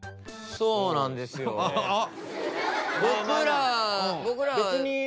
そうなんですよね。